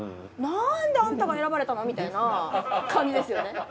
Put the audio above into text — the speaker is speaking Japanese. なんでアンタが選ばれたのみたいな感じですよね。